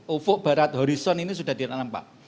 ufuk barat horizon ini sudah ditanam pak